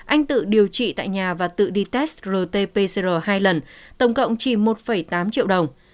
anh tự điều trị tại nhà và tự đi test rt pcr hai lần tổng cộng chỉ một tám triệu đồng